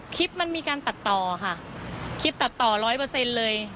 คลิปมันมีการตัดต่อค่ะคลิปตัดต่อร้อยเปอร์เซ็นต์เลย